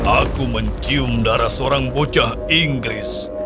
aku mencium darah seorang bocah inggris